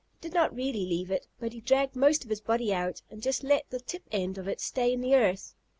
He did not really leave it, but he dragged most of his body out, and let just the tip end of it stay in the earth.